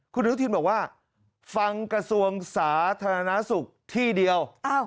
คุณอนุทินบอกว่าฟังกระทรวงสาธารณสุขที่เดียว